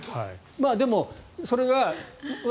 でも、それがうわ！